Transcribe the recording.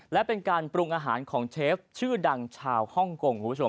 และเป็นการปรุงอาหารของเชฟชื่อดังชาวฮ่องกงคุณผู้ชม